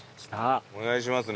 お願いしますね。